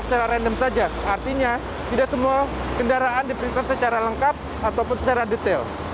kepolisian kampung jawa barat